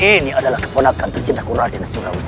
ini adalah keponakan ketenangan ku oleh rani surawi sisa